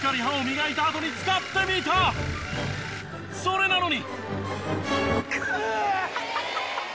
それなのに。